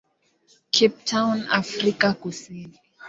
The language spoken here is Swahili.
Cape Town, Afrika Kusini.